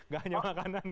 gak hanya makanan